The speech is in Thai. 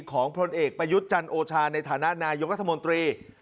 ของพลนเอกประยุทธ์จันทร์โอชาในฐานะนายกัฎธมนตรี